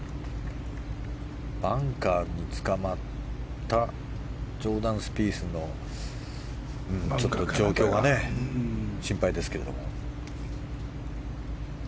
バンカーにつかまったジョーダン・スピースの状況が心配ですけれど。